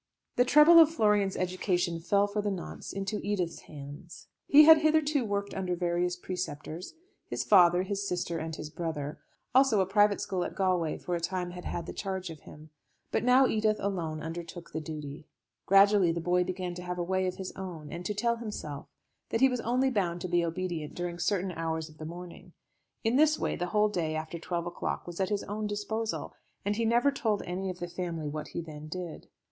The trouble of Florian's education fell for the nonce into Edith's hands. He had hitherto worked under various preceptors; his father, his sister, and his brother; also a private school at Galway for a time had had the charge of him. But now Edith alone undertook the duty. Gradually the boy began to have a way of his own, and to tell himself that he was only bound to be obedient during certain hours of the morning. In this way the whole day after twelve o'clock was at his own disposal, and he never told any of the family what he then did.